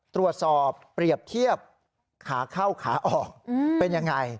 ตรวจสอบเปรียบเทียบขาเข้าขาออกเป็นยังไง